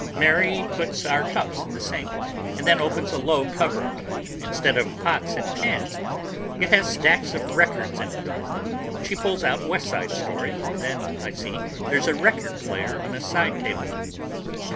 Mary puts our cups in the sink and then opens a low cupboard. Instead of pots and pans it has stacks of records in it. She pulls out West Side Story and then I see there's a record player on a side table.